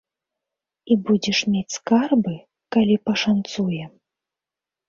І будзеш мець скарбы, калі пашанцуе.